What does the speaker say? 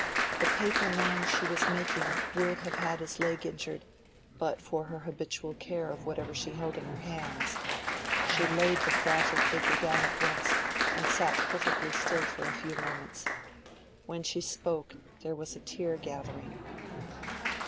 The paper man she was making would have had his leg injured, but for her habitual care of whatever she held in her hands. She laid the fragile figure down at once, and sat perfectly still for a few moments. When she spoke there was a tear gathering.